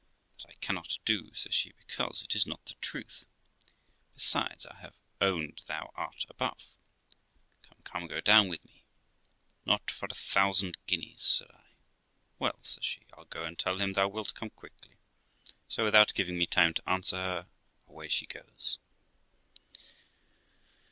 ' That I cannot do', says she; 'because it is not the truth. Besides, I have owned thou art above. Come, come, go down with me.' ' Not for a thousand guineas ' said I. 'Well', says she, 'I'll go and tell him thou wilt come quickly.' So, without giving me time to answer her, away she goes.